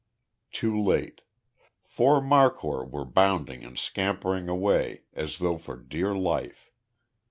Too late. Four markhor were bounding and scampering away, as though for dear life.